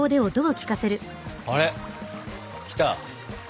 あれきた！